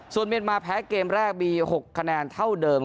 ส่วนเมียนมาแพ้เกมแรกมี๖คะแนนเท่าเดิม